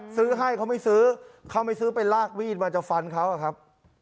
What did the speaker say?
ซื้อให้เขาไม่ซื้อเขาไม่ซื้อไปลากมีดมาจะฟันเขาอะครับ